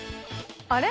あれ？